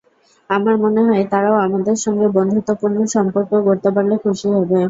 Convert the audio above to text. আমার মনে হয়, তারাও আমাদের সঙ্গে বন্ধুত্বপূর্ণ সম্পর্ক গড়তে পারলে খুশি হবে।